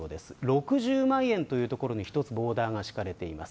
６０万円という所にボーダーが敷かれています。